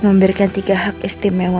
memberikan tiga hak istimewa